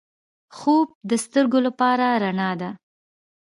خوب د سترګو لپاره رڼا ده